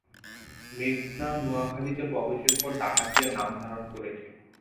মেঘনা নোয়াখালীতে প্রবেশের পর ডাকাতিয়া নাম ধারণ করেছে।